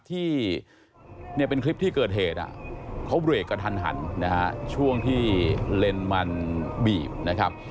ที่เป็นคลิปที่เกิดเหตุเขาเรียกกับทันช่วงที่เล็นมันบีบนะครับ